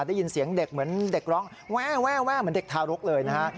ได้ยินเสียงเด็กเหมือนเด็กร้องแว่เหมือนเด็กทารกเลยนะฮะ